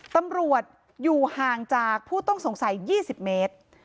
ตำรวจอยู่ห่างจากผู้ต้องสงสัย๒๐เมตร